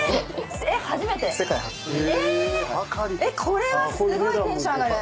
これはすごいテンション上がる。